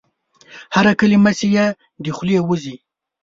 هره کلمه چي یې د خولې وزي ؟